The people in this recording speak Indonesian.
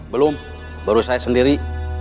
belum baru saya sendiri